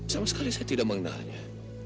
sama sekali saya tidak mengenalnya